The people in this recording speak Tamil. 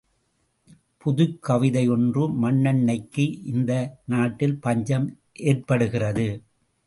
புதுக்கவிதை ஒன்று மண்ணெண்ணெய்க்கு இந்த நாட்டில் பஞ்சம் ஏற்படுகிறது.